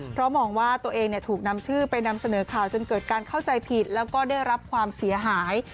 เพราะมองว่าตัวเองถูกนำชื่อไปนำเสนอข่าวจนเกิดการเข้าใจผิดแล้วก็ได้รับความเสียหาย